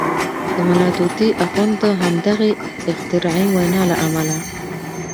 د ملا طوطي اخند د همدغې اختراعي وینا له امله.